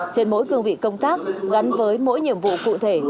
trên mỗi cương vị công tác gắn với mỗi nhiệm vụ cụ thể